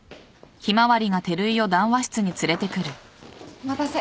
お待たせ。